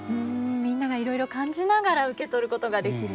みんながいろいろ感じながら受け取ることができるという。